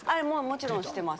もちろん知ってます。